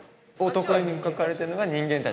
男湯に描かれてるのが人間達？